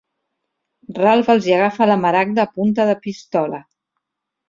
Ralph els hi agafa la maragda a punta de pistola.